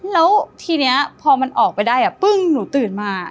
แล้วทีนี้พอมันออกไปได้ปึ้งหนูตื่นมา